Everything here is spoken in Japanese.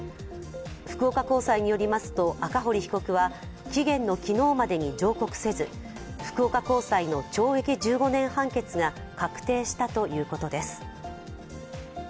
福岡高裁によりますと赤堀被告は期限の昨日までに上告せず福岡高裁の懲役１５年判決が確定したということです。